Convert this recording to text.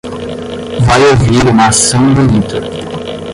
Vai ouvir uma ação bonita.